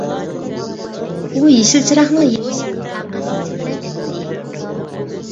ئۇ يېشىل چىراغنىڭ يېنىشىنى تاقەتسىزلىك بىلەن كۈتتى.